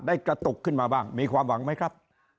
กระตุกขึ้นมาบ้างมีความหวังไหมครับ